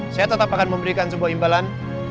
saya tetap akan memberikan sebuah imbalan